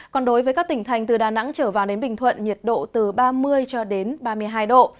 còn đối với các tỉnh thành từ đà nẵng trở vào đến bình thuận nhiệt độ từ ba mươi cho đến ba mươi hai độ